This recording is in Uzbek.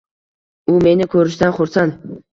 U meni ko`rishdan xursand